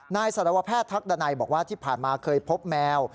สารวแพทย์ทักดันัยบอกว่าที่ผ่านมาเคยพบแมว